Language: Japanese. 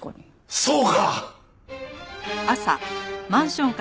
そうか！